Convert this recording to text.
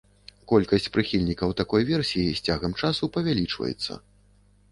Колькасць прыхільнікаў такой версіі з цягам часу павялічваецца.